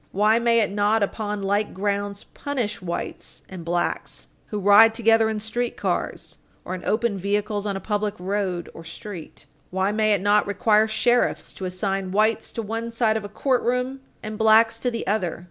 Why may it not, upon like grounds, punish whites and blacks who ride together in streetcars or in open vehicles on a public road Page 163 U. S. 558 or street? Why may it not require sheriffs to assign whites to one side of a courtroom and blacks to the other?